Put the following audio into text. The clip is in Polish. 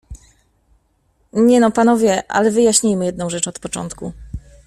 Nie no, panowie, ale wyjaśnijmy jedną rzecz od początku.